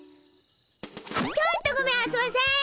ちょっとごめんあそばせ！